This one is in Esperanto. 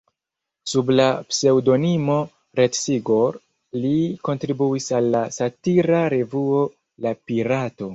Sub la pseŭdonimo "Retsigor" li kontribuis al la satira revuo La Pirato.